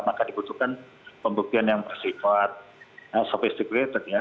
maka dibutuhkan pembuktian yang persifat sophisticated ya